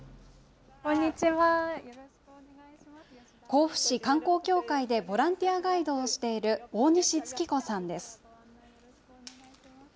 甲府市観光協会でボランティアガイドをしている大西月子さんです。